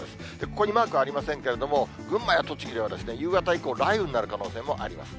ここにマークありませんけれども、群馬や栃木では夕方以降、雷雨になる可能性もあります。